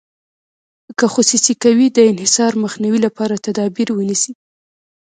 که خصوصي کوي د انحصار مخنیوي لپاره تدابیر ونیسي.